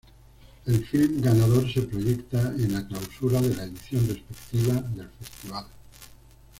El film ganador se proyecta en la clausura de la edición respectiva del festival.